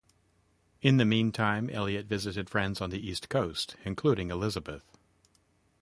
In the meantime, Elliot visited friends on the east coast, including Elisabeth.